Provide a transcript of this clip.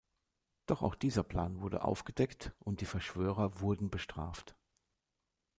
Doch auch dieser Plan wurde aufgedeckt und die Verschwörer wurden bestraft.